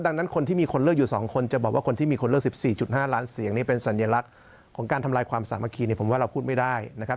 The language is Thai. ดังนั้นคนที่มีคนเลือกอยู่๒คนจะบอกว่าคนที่มีคนเลือก๑๔๕ล้านเสียงนี่เป็นสัญลักษณ์ของการทำลายความสามัคคีเนี่ยผมว่าเราพูดไม่ได้นะครับ